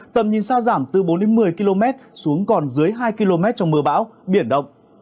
tầm nhìn xa giảm từ bốn một mươi km xuống còn dưới hai km trong mưa bão biển động